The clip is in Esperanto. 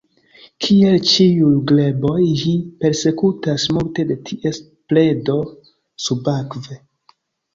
Kiel ĉiuj greboj, ĝi persekutas multe de ties predo subakve.